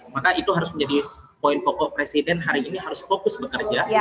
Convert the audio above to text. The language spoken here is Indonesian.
maka itu harus menjadi poin pokok presiden hari ini harus fokus bekerja